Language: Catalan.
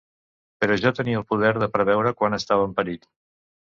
Però jo tenia el poder de preveure quan estava en perill.